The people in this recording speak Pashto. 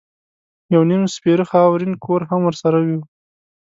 یو نیم سپېره خاورین کور هم ورسره و.